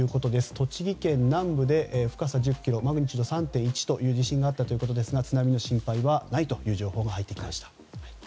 栃木県南部で深さ１０ｋｍマグニチュード３．１という地震があったということですが津波の心配はないという情報が入ってきました。